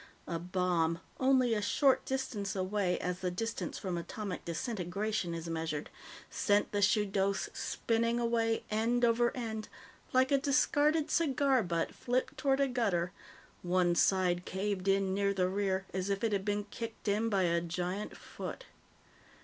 A bomb, only a short distance away as the distance from atomic disintegration is measured, sent the Shudos spinning away, end over end, like a discarded cigar butt flipped toward a gutter, one side caved in near the rear, as if it had been kicked in by a giant foot.